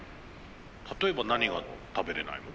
例えば何が食べれないの？